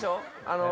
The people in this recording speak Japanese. あの。